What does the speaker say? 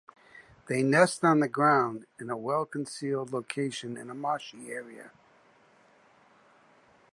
They nest on the ground, in a well-concealed location in a marshy area.